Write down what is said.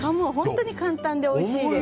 簡単でおいしいんです。